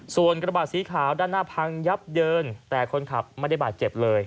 ส่วนกระบาดสีขาวด้านหน้าพังยับเยินแต่คนขับไม่ได้บาดเจ็บเลย